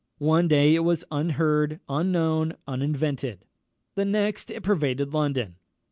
One day it was unheard, unknown, uninvented; the next it pervaded London.